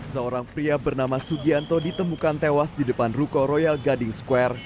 seorang pria bernama sugianto ditemukan tewas di depan ruko royal gading square